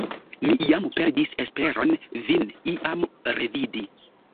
Mi jam perdis esperon vin iam revidi!